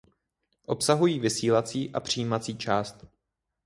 Obsahují vysílací a přijímací část.